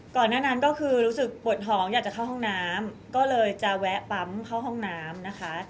ก่อนหน้านั้นก็คือรู้สึกปวดท้องอยากจะเข้าห้องน้ำก็เลยจะแวะปั๊มเข้าห้องน้ำนะคะ